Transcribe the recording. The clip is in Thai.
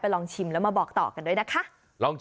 อารมณ์ของแม่ค้าอารมณ์การเสิรฟนั่งอยู่ตรงกลาง